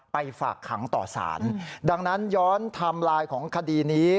ฝากขังต่อสารดังนั้นย้อนไทม์ไลน์ของคดีนี้